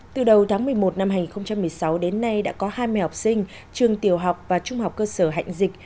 từ đầu tháng một mươi một năm hai nghìn một mươi sáu đến nay đã có hai mươi học sinh trường tiểu học và trung học cơ sở hạnh dịch